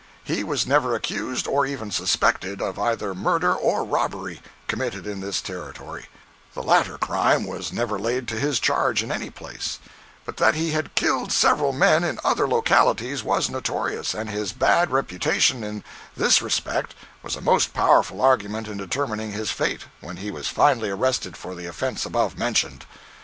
He was never accused, or even suspected, of either murder or robbery, committed in this Territory (the latter crime was never laid to his charge, in any place); but that he had killed several men in other localities was notorious, and his bad reputation in this respect was a most powerful argument in determining his fate, when he was finally arrested for the offence above mentioned.